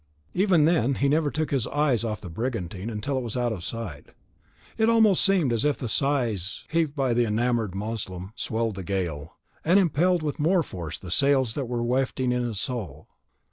Even then he never took his eyes off the brigantine until it was out of sight. It almost seemed as if the sighs heaved by the enamoured mussulman swelled the gale, and impelled with more force the sails that were wafting away his soul.